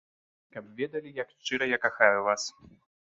Каб ведалі, як шчыра я кахаю вас.